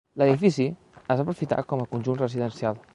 L'edifici es va aprofitar com a conjunt residencial.